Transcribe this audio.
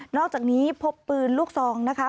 อกจากนี้พบปืนลูกซองนะคะ